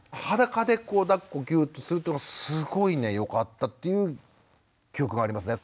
裸でこうだっこぎゅってするっていうのはすごいねよかったっていう記憶がありますね。